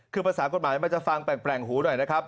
คือภาษากฎหมายมันจะฟังแปลงหูหน่อยนะครับ